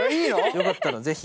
よかったらぜひ。